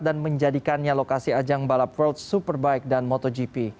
dan menjadikannya lokasi ajang balap world superbike dan motogp